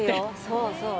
そうそう。